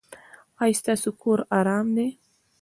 ایا ستاسو کور ارام دی؟